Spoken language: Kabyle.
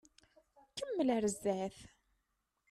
Kemmel ɣer zdat.